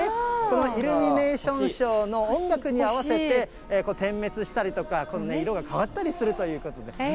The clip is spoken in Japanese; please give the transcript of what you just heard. このイルミネーションショーの音楽に合わせて、点滅したりとか、この色が変わったりするということで。